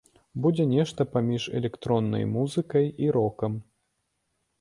Будзе нешта паміж электроннай музыкай і рокам.